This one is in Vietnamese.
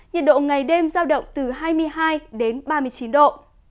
nhiệt độ ngày đêm giao động từ hai mươi hai đến ba mươi chín độ